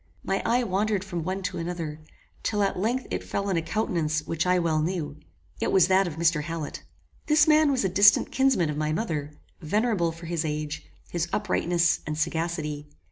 My eye wandered from one to another, till at length it fell on a countenance which I well knew. It was that of Mr. Hallet. This man was a distant kinsman of my mother, venerable for his age, his uprightness, and sagacity.